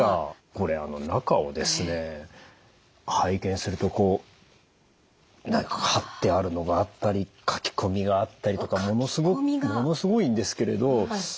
これ中をですね拝見するとこう貼ってあるのがあったり書き込みがあったりとかものすごいんですけれど。